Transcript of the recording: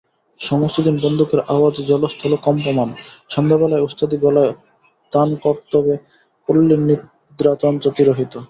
সমস্ত দিন বন্দুকের আওয়াজে জলস্থল কম্পমান, সন্ধ্যাবেলায় ওস্তাদি গলায় তানকর্তবে পল্লীর নিদ্রাতন্দ্রা তিরোহিত।